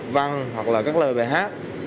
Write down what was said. văn hoặc là các lời bài hát